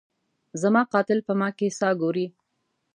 زما قاتل په ما کي ساه ګوري